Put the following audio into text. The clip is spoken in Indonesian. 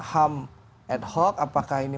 ham ad hoc apakah ini